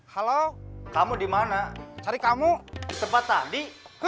halo kamu dimana cari kamu sempat tadi